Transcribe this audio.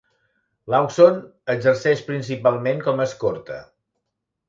Lawson exerceix principalment com a escorta.